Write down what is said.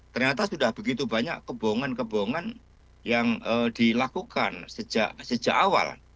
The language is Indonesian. ternyata sudah begitu banyak kebohongan kebohongan yang dilakukan sejak awal